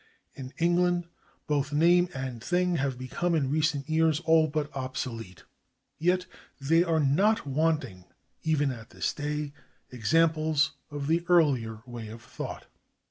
In England both name and thing have become in recent years all but obsolete. Yet there are not wanting even at this day examples of the earlier way of thought.